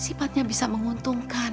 sifatnya bisa menguntungkan